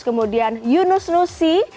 kemudian yunus nusi